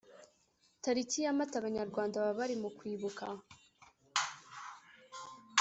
Tariki ya Mata Abanyarwanda baba bari mukwibuka